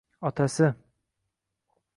Otasi